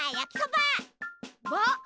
ば。